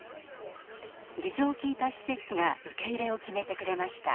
事情を聞いた施設が受け入れを決めてくれました。